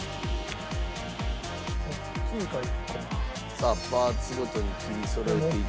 さあパーツごとに切りそろえていって。